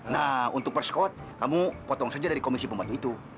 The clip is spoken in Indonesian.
nah untuk persko kamu potong saja dari komisi pembantu itu